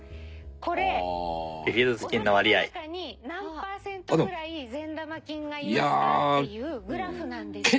これお腹の中に何パーセントぐらい善玉菌がいますか？っていうグラフなんですよ。